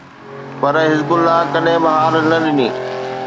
پر حزب الله ڪڏهن به هار نه ڏني.